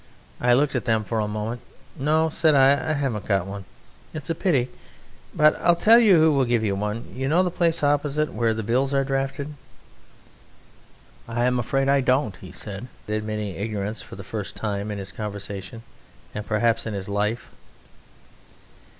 I looked at them for a moment. "No," said I, "I haven't got one; it's a pity, but I'll tell you who will give you one; you know the place opposite, where the bills are drafted?" "I'm afraid I don't," he said, admitting ignorance for the first time in this conversation and perhaps in his life.